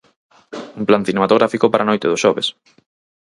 Un plan cinematográfico para a noite do xoves.